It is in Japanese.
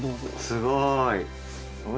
すごい！